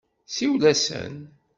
Siwel-asen.